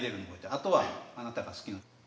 あとはあなたが好きなところ。